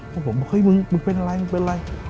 พวกผมบอกเฮ้ยมึงมึงเป็นอะไร